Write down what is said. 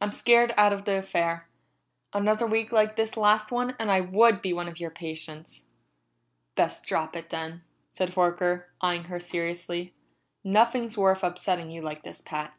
I'm scared out of the affair. Another week like this last one and I would be one of your patients." "Best drop it, then," said Horker, eyeing her seriously. "Nothing's worth upsetting yourself like this, Pat."